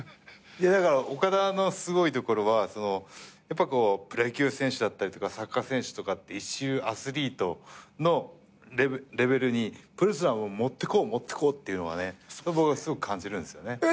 だからオカダのすごいところはプロ野球選手だったりとかサッカー選手とかって一流アスリートのレベルにプロレスラーも持ってこう持ってこうっていうのが僕はすごく感じるんですよね。